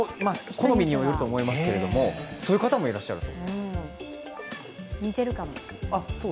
好みによると思いますけれども、そういう方もいらっしゃると。